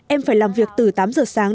em phải làm việc từ tám giờ sáng